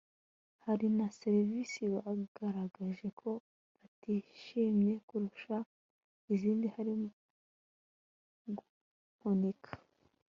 hari na serivisi bagaragaje ko batishimiye kurusha izindi harimo guhunika